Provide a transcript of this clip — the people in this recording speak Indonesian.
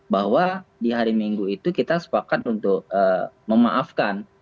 bahwa di hari minggu itu kita sepakat untuk memaafkan